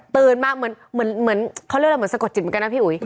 มาเหมือนเขาเรียกอะไรเหมือนสะกดจิตเหมือนกันนะพี่อุ๋ย